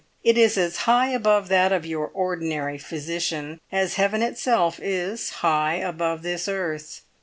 It is as high above that of your ordinary physician as heaven itself is high above this earth.